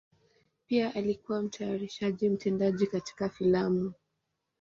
Pia alikuwa mtayarishaji mtendaji katika filamu.